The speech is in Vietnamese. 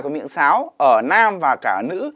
của miệng sáo ở nam và cả nữ